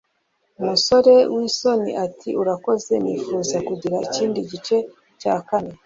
umusore w'isoni ati urakoze, nifuza kugira ikindi gice cya keke